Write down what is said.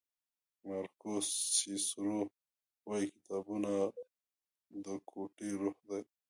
مارکوس سیسرو وایي کتابونه د کوټې روح دی.